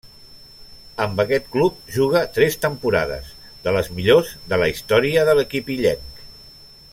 Amb aquest club juga tres temporades, de les millors de la història de l'equip illenc.